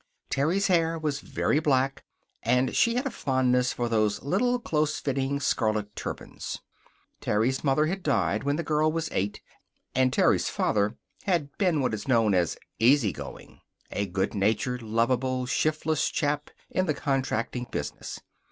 Terry's hair was very black, and she had a fondness for those little, close fitting scarlet turbans. Terry's mother had died when the girl was eight, and Terry's father had been what is known as easygoing. A good natured, lovable, shiftless chap in the contracting business.